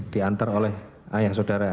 diantar oleh ayah saudara